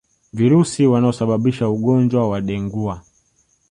Virusi wanaosababisha ugonjwa wa dengua